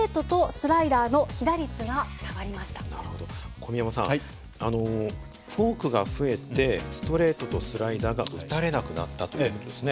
小宮山さんフォークが増えてストレートとスライダーが打たれなくなったという事ですね。